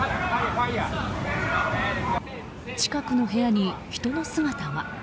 近くの部屋に人の姿が。